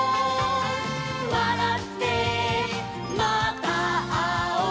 「わらってまたあおう」